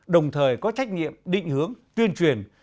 đồng thời có trách nhiệm định hướng tuyên truyền